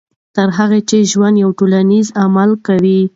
تر هغه چې ژوندي یو ټولنیز عمل کوو.